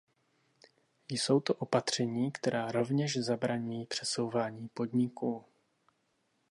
Jsou to opatření, která rovněž zabraňují přesouvání podniků.